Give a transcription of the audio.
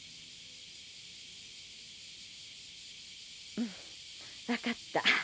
うん分かった。